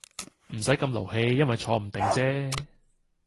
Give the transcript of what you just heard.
唔使咁勞氣因為坐唔定姐